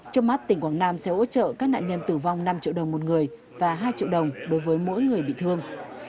trong mắt tỉnh quảng nam sẽ hỗ trợ các nạn nhân tử vong năm triệu đồng một người và hai triệu đồng đối với mỗi người bị thương